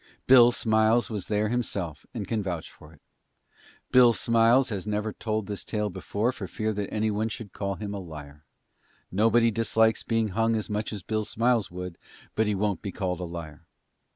Bill Smiles was there himself, and can vouch for it. Bill Smiles has never told this tale before for fear that anyone should call him a liar. Nobody dislikes being hung as much as Bill Smiles would, but he won't be called a liar.